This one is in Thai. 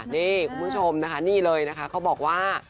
นี่คุณผู้ชมนะคะนี่เลยนะคะเขาบอกว่า